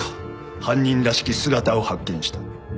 犯人らしき姿を発見した